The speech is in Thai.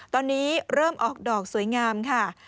ตอนนี้เริ่มออกดอกสวยงามค่ะ